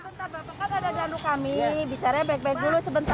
sebentar bapak kan ada gandu kami bicaranya baik baik dulu sebentar